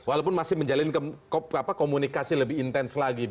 walaupun masih menjalin komunikasi lebih intens lagi